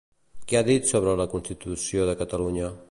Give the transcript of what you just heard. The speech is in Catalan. Què ha dit sobre la constitució de Catalunya?